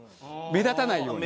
目立たないように。